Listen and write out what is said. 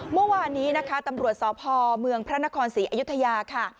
เมื่อวานนี้นะคะตำรวจสพเมืองพระนครศรีอยุธยาค่ะ